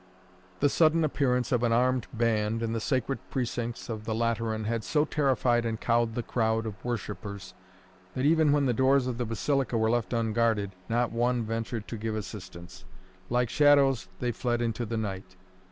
The sudden appearance of an armed band in the sacred precincts of the Lateran had so terrified and cowed the crowd of worshippers that even when the doors of the Basilica were left unguarded, not one ventured to give assistance. Like shadows they fled into the night.